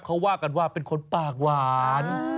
เขาว่ากันว่าเป็นคนปากหวาน